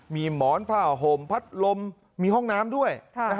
มีหมอนผ้าห่มพัดลมมีห้องน้ำด้วย